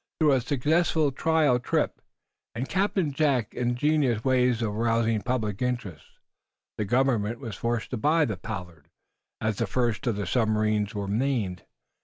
Through a successful trial trip, and Captain Jack's ingenious ways of arousing public interest, the government was forced to buy the "Pollard," as the first of the submarines was named.